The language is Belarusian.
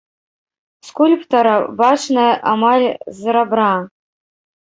Скульптара, бачная амаль з рабра.